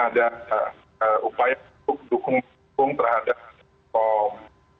ada upaya untuk dukung dukung terhadap pom